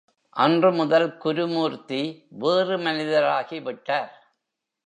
அன்று முதல் குருமூர்த்தி வேறு மனிதராகிவிட்டார்.